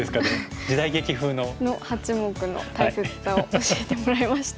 時代劇風の。の八目の大切さを教えてもらいました。